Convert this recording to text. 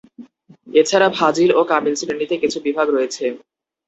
এছাড়া ফাজিল ও কামিল শ্রেণীতে কিছু বিভাগ রয়েছে।